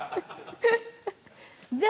じゃあ